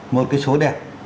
một cái số đẹp